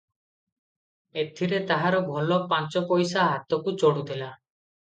ଏଥିରେ ତାହାର ଭଲ ପାଞ୍ଚପଇସା ହାତକୁ ଚଢୁଥିଲା ।